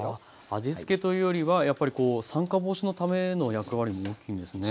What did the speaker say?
味付けというよりはやっぱりこう酸化防止のための役割も大きいんですね。